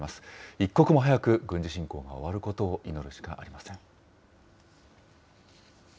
一刻も早く軍事侵攻が終わることを祈るしかありません。